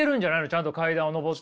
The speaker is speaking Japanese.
ちゃんと階段を上って。